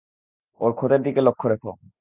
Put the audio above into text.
ওর ক্ষতের দিকে লক্ষ্য রেখো।